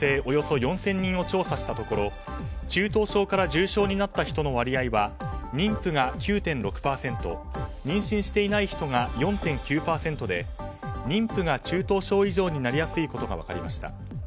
およそ４０００人を調査したところ調査したところ中等症から重症になった人の割合は妊婦が９．６％妊娠していない人が４．９％で妊婦が中等症以上になりやすいことが分かりました。